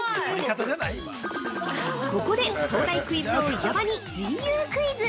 ◆ここで、東大クイズ王・伊沢にＧＵクイズ！